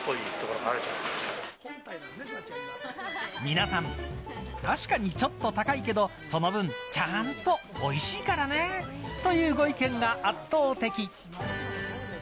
皆さん確かにちょっと高いけどその分ちゃんとおいしいからねというご意見が圧倒的。